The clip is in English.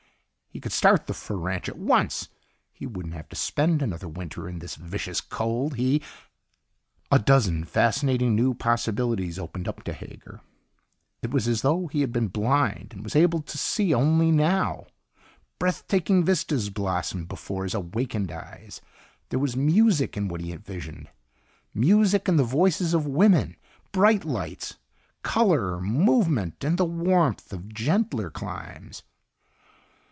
He could start the fur ranch at once. He wouldn't have to spend another winter in this vicious cold. He A dozen fascinating new possibilities opened up to Hager. It was as though he had been blind and was able to see only now. Breath taking vistas blossomed before his awakened eyes. There was music in what he visioned, music and the voices of women, bright lights, color, movement, and the warmth of gentler climes.